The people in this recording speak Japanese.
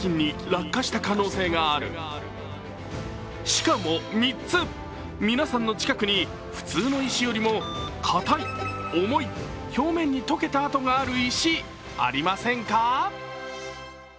しかも３つ、皆さんの近くに普通の石よりも硬い、重い、表面に溶けた跡がある石、ありませんか？